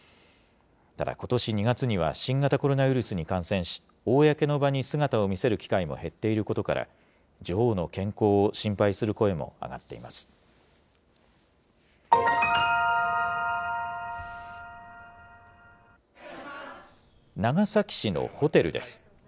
ただ、ことし２月には、新型コロナウイルスに感染し、公の場に姿を見せる機会も減っていることから、女王の健康を心配長崎市のホテルです。